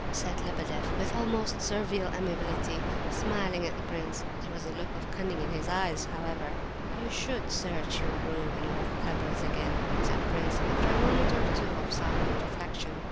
said Lebedeff with almost servile amiability, smiling at the prince. There was a look of cunning in his eyes, however. "You should search your room and all the cupboards again," said the prince, after a moment or two of silent reflection.